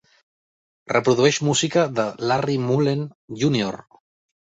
Reprodueix música de Larry Mullen Jr.